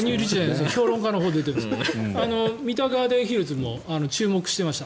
評論家のほうで出てるんですけど三田ガーデンヒルズも注目していました。